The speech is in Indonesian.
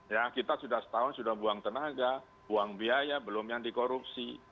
ya kita sudah setahun sudah buang tenaga buang biaya belum yang dikorupsi